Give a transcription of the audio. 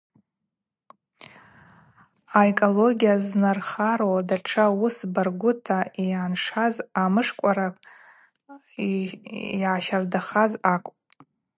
Аэкология знархару датша уыс баргвыта йгӏаншаз амышвкъвара ъащардахаз акӏвпӏ.